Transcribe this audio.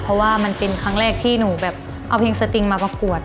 เพราะว่ามันเป็นครั้งแรกที่หนูแบบเอาเพลงสติงมาประกวด